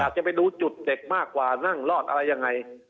จะไปดูจุดเด็กมากกว่านั่งรอดอะไรยังไง